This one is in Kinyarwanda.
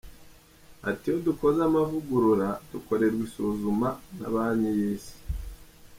Ati” Iyo dukoze amavugurura, dukorerwa isuzuma na Banki y’Isi.